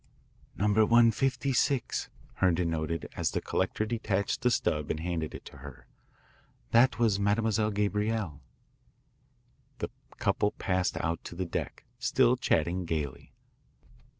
"Number 156," Herndon noted as the collector detached the stub and handed it to her. "That was Mademoiselle Gabrielle." The couple passed out to the deck, still chatting gaily.